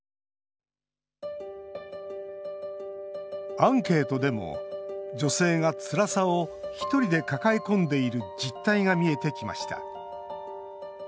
アンケートでも女性がつらさを１人で抱え込んでいる実態が見えてきました。